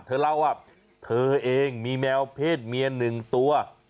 เธอเล่าว่าเธอเองมีแมวเพศเมียหนึ่งตัว